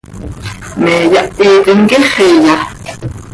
¿Me yáhitim quíxiya?